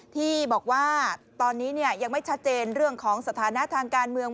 ที่บอกว่าตอนนี้ยังไม่ชัดเจนเรื่องของสถานะทางการเมือง